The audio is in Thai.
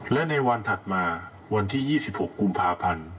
และในวันถัดมาวันที่๒๖กุมภาพันธ์